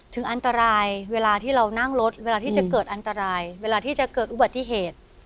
ถึงอันตรายเวลาที่เรานั่งรถเวลาที่จะเกิดอันตรายเวลาที่จะเกิดอุบัติเหตุ